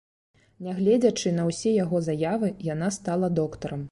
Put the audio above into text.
Нягледзячы на ўсе яго заявы, яна стала доктарам.